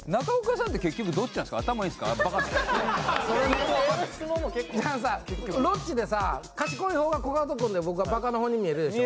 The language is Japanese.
あのさロッチでさ賢い方がコカドくんで僕がバカの方に見えるでしょ？